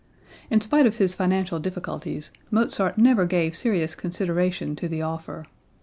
In spite of his financial difficulties, Mozart never gave serious consideration to the offer.